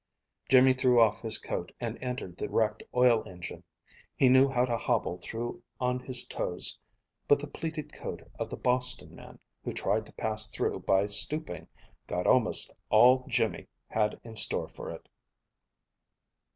Jimmy threw off his coat and entered the wrecked oil engine. He knew how to hobble through on his toes, but the pleated coat of the Boston man, who tried to pass through by stooping, got almost all Jimmy had in store for it.